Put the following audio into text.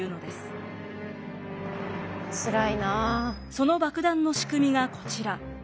その爆弾の仕組みがこちら。